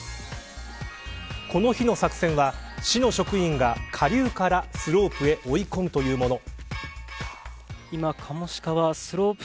この日の作戦は市の職員が下流からスロープへ追い込むというものを。